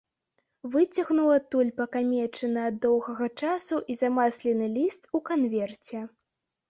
Выцягнуў адтуль пакамечаны ад доўгага часу і замаслены ліст у канверце.